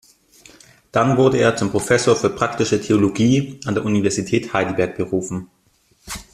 Dann wurde er zum Professor für Praktische Theologie an der Universität Heidelberg berufen.